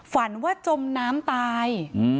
ฝันว่าจมน้ำตาย